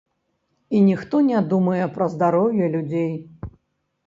І ніхто не думае пра здароўе людзей.